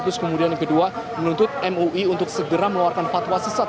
terus kemudian yang kedua menuntut mui untuk segera meluarkan fatwa sesat